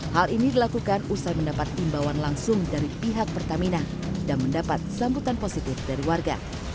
hal ini dilakukan usai mendapat imbauan langsung dari pihak pertamina dan mendapat sambutan positif dari warga